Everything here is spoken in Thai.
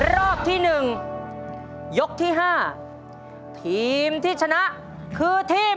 รอบที่หนึ่งยกที่ห้าทีมที่ชนะคือทีม